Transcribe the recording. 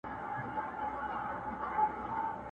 په بل اور ده څه پروا د سمندرو!!